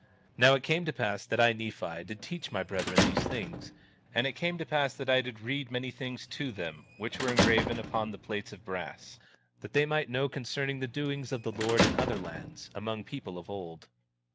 19:22 Now it came to pass that I, Nephi, did teach my brethren these things; and it came to pass that I did read many things to them, which were engraven upon the plates of brass, that they might know concerning the doings of the Lord in other lands, among people of old.